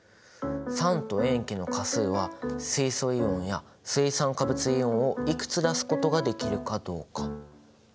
酸と塩基の価数は水素イオンや水酸化物イオンをいくつ出すことができるかどうか。